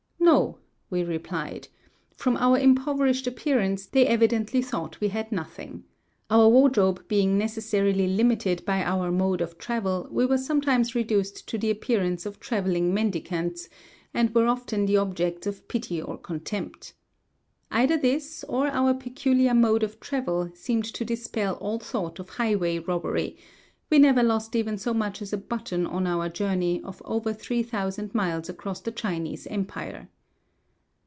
"No," we replied. "From our impoverished appearance, they evidently thought we had nothing. Our wardrobe being necessarily limited by our mode of travel, we were sometimes reduced to the appearance of traveling mendicants, and were often the objects of pity or contempt. Either this, or our peculiar mode of travel, seemed to dispel all thought of highway robbery; we never lost even so much as a button on our journey of over three thousand miles across the Chinese empire."